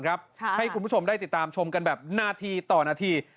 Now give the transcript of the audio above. ให้คุณผู้ชมได้ติดตามชมกันแบบนาทีต่อนาที